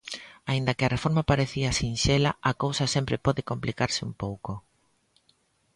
Aínda que a reforma parecía sinxela a cousa sempre pode complicarse un pouco.